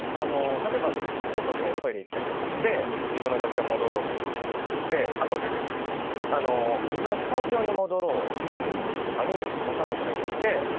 例えばちょっとトイレ行ったりして自分の楽屋戻ろうとか思ってあと自分のスタジオに戻ろうという時とかに分からなくなっちゃって。